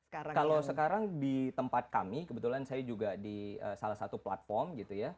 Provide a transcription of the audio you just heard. kalau sekarang di tempat kami kebetulan saya juga di salah satu platform gitu ya